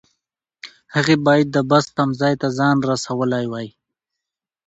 هغې باید د بس تمځای ته ځان رسولی وای.